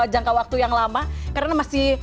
jangka waktu yang lama karena masih